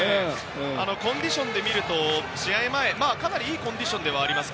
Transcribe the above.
コンディションで見ると試合前かなりいいコンディションではあります。